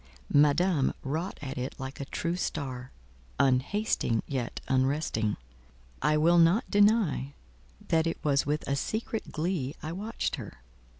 Madame wrought at it like a true star, "unhasting yet unresting." I will not deny that it was with a secret glee I watched her.